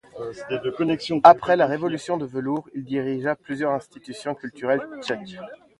Après la Révolution de velours, il dirigea plusieurs institutions culturelles tchèques.